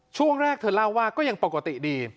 ช่วงแรกเธอเล่าว่าก็ยังปกติดี